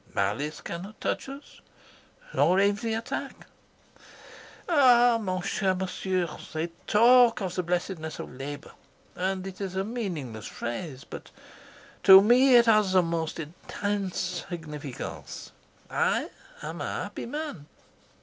Malice cannot touch us, nor envy attack. Ah, , they talk of the blessedness of labour, and it is a meaningless phrase, but to me it has the most intense significance. I am a happy man."